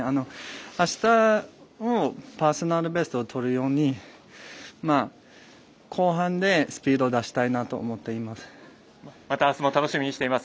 あしたもパーソナルベストをとるように後半でスピード出したいなと思っています。